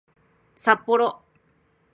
さっぽろ